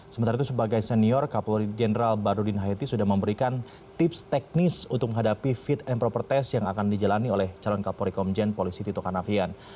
sementara itu sebagai senior kapolri jenderal badudin haiti sudah memberikan tips teknis untuk menghadapi fit and proper test yang akan dijalani oleh calon kapolri komjen polisi tito karnavian